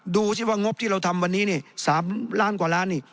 ดูสิว่างบที่เราทำวันนี้นี่๓ล้านกว่าล้านนี่